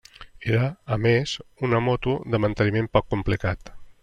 Era, a més, una moto de manteniment poc complicat.